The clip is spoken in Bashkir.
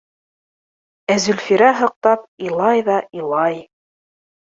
Ә Зөлфирә һыҡтап илай ҙа илай.